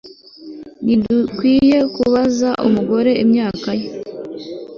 Ntidukwiye kubaza umugore imyaka ye